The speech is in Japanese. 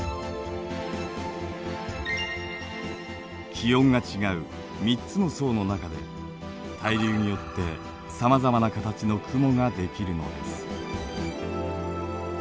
気温が違う３つの層の中で対流によってさまざまな形の雲ができるのです。